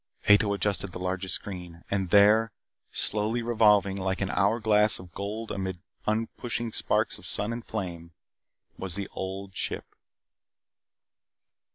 Ato adjusted the largest screen. And there, slowly revolving like an hour glass of gold amid uprushing sparks of sun and flame, was The Old Ship.